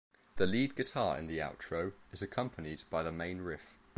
The lead guitar in the outro is accompanied by the main riff.